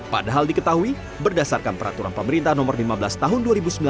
padahal diketahui berdasarkan peraturan pemerintah nomor lima belas tahun dua ribu sembilan belas